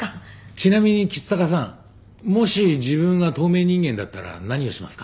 ちなみに橘高さんもし自分が透明人間だったら何をしますか？